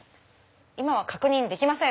今は確認できません。